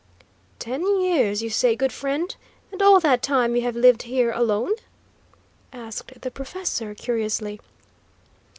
"Ten years, you say, good friend? And all that time you have lived here alone?" asked the professor, curiously.